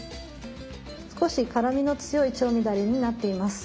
少し辛みの強い調味だれになっています。